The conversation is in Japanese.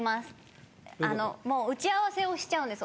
打ち合わせをしちゃうんです